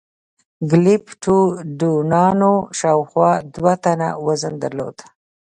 ګلیپتودونانو شاوخوا دوه ټنه وزن درلود.